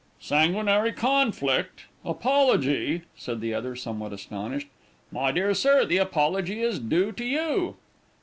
"Sanguinary conflict apology" said the other, somewhat astonished. "My dear sir, the apology is due to you."